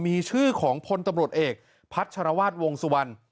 มีชื่อของพลตำรวจเอกพัชรวาสวงสุวรรณ